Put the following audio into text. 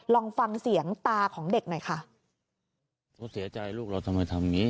ลองฟังเสียงตาของเด็กหน่อยค่ะ